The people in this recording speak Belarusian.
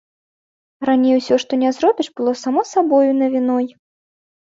Раней усё, што не зробіш, было само сабою навіной.